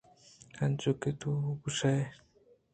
انچوکہ تو گوٛشگائے